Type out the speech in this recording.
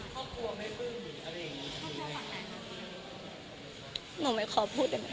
พี่พ่อกับแม่ก็น่าจะเป็นห่วงอะไรเงี้ย